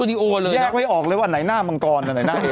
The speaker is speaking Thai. นี่แหยกไว้ออกเลยว่าไหนหน้ามังกรแล้วไหนหน้าเอ๊